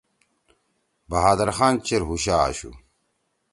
بہادر خان چیر ہُوشا آشُو۔